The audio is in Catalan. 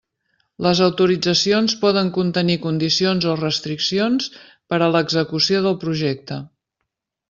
Les autoritzacions poden contenir condicions o restriccions per a l'execució del projecte.